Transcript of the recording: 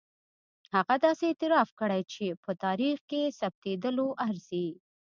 هغه داسې اعتراف کړی چې په تاریخ کې ثبتېدلو ارزي.